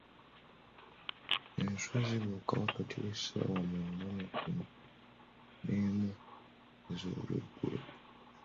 Enswa zibuuka wakati w'essaawa mwenda ne kkumu n'emu ez'olweggulo.